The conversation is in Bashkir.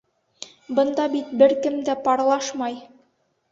Бында бит бер кем дә парлашмай!